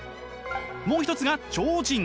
もう一つが超人。